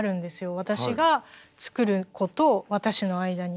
私が作る子と私の間に。